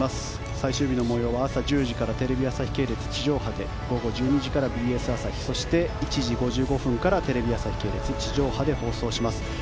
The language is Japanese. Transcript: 最終日の模様は朝１０時からテレビ朝日系列地上波で午後１２時からＢＳ朝日そして１時５５分からテレビ朝日系列地上波で放送します。